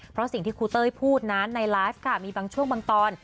เพราะสิ่งที่ครูเต้ยพูดนั้นในไลฟ์ค่ะมีบางช่วงบางตอน